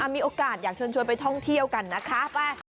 มีโอกาสอยากเชิญชวนไปท่องเที่ยวกันนะคะ